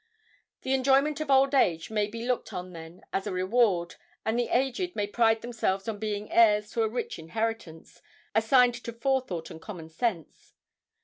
The enjoyment of old age may be looked on then as a reward, and the aged may pride themselves on being heirs to a rich inheritance, assigned to forethought and common sense.